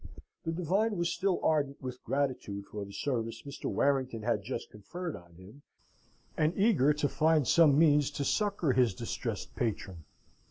The divine was still ardent with gratitude for the service Mr. Warrington had just conferred on him, and eager to find some means to succour his distressed patron.